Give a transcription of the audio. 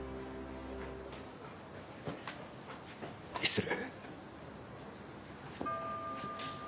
失礼。